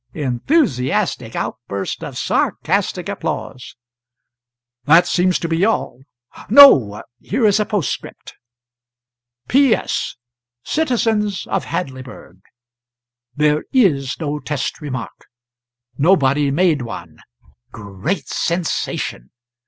[Enthusiastic outburst of sarcastic applause.] That seems to be all. No here is a postscript: "'P.S. CITIZENS OF HADLEYBURG: There is no test remark nobody made one. [Great sensation.